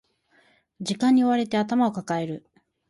時間に追われて頭を抱える